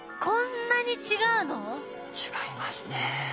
こんなに違うの？違いますね。